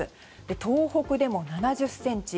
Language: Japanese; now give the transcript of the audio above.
東北でも７０ｃｍ